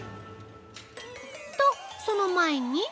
と、その前に。